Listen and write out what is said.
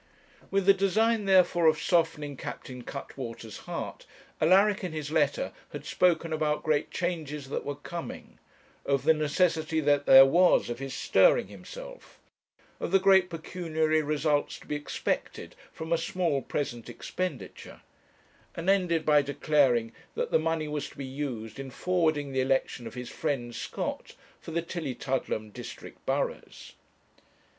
With the design, therefore, of softening Captain Cuttwater's heart, Alaric in his letter had spoken about great changes that were coming, of the necessity that there was of his stirring himself, of the great pecuniary results to be expected from a small present expenditure; and ended by declaring that the money was to be used in forwarding the election of his friend Scott for the Tillietudlem district burghs.